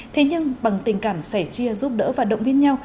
thế nhưng bằng tình cảm sẻ chia giúp đỡ và động viên nhau